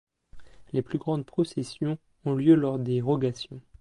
Les plus grandes processions ont lieu lors des rogations.